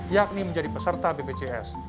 yakni menjadi peserta bpjs